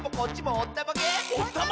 おったまげ！